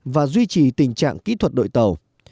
và duy trì tình trạng kỹ thuật đội tàu